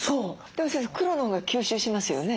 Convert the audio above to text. でも先生黒のほうが吸収しますよね？